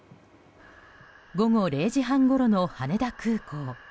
午後０時半ごろの羽田空港。